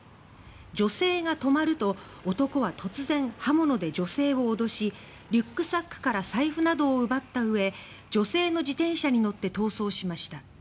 女性が止まると男は突然、刃物で女性を脅しリュックサックから財布などを奪ったうえ女性の自転車に乗って逃走しました。